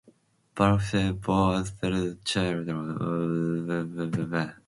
Balthild bore Clovis three children, all of whom became kings: Clotaire, Childeric and Theuderic.